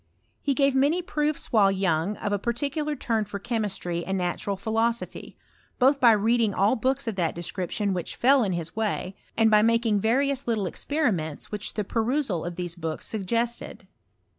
He gave many proofs while young of a particular turn for chemistry and natural philosophy, both by reading all books of that de ACription which fell in his way, and by making vari ous little experiments which the perusal of these books suggested.